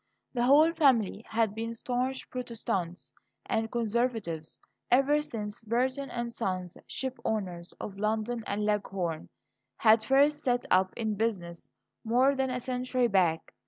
The whole family had been staunch Protestants and Conservatives ever since Burton & Sons, ship owners, of London and Leghorn, had first set up in business, more than a century back.